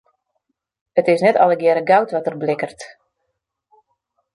It is net allegearre goud wat der blikkert.